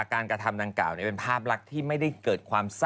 เขาไม่อยู่แล้วมันไปแล้ว